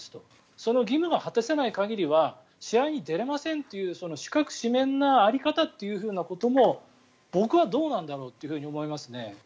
その義務が果たせない限りは試合に出られませんという四角四面な在り方ということも僕はどうなんだろうと思いますね。